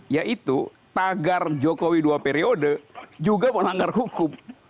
yaitu tagar jokowi dua periode juga melanggar hukum